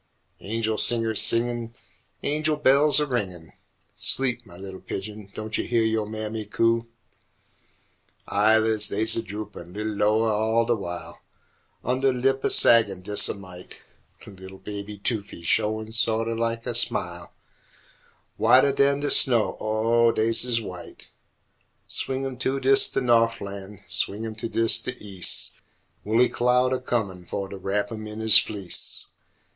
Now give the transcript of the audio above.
Angel singers singin', Angel bells a ringin', Sleep, mah li'l pigeon, don' yo' heah yo' mammy coo? Eyelids des a droopin' li'l loweh all de w'ile, Undeh lip a saggin' des a mite; Li'l baby toofies showin' so't o' lak a smile, Whiteh dan de snow, or des ez white. Swing 'im to'ds de No'flan', Swing 'im to'ds de Eas' Woolly cloud a comin' fo' t' wrap 'im in 'is fleece!